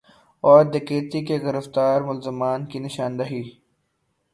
اور ڈکیتی کے گرفتار ملزمان کی نشاندہی